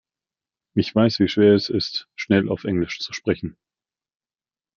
Ich weiß, wie schwer es ist, schnell auf Englisch zu sprechen.